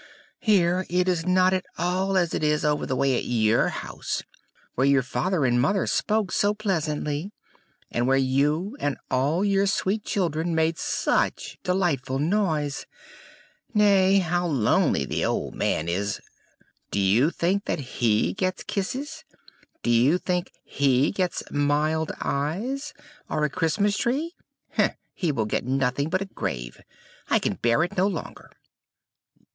Here it is not at all as it is over the way at your home, where your father and mother spoke so pleasantly, and where you and all your sweet children made such a delightful noise. Nay, how lonely the old man is do you think that he gets kisses? Do you think he gets mild eyes, or a Christmas tree? He will get nothing but a grave! I can bear it no longer!"